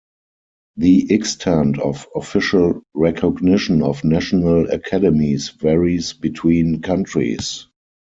The extent of official recognition of national academies varies between countries.